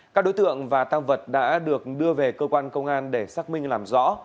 các đối tượng và tăng vật đã được đưa về cơ quan công an để xác minh làm rõ